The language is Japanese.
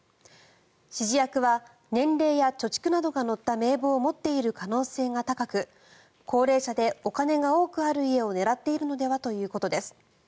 指示役は年齢や貯蓄などが載った名簿を持っている可能性が高く高齢者でお金が多くある家を狙っているのではということです。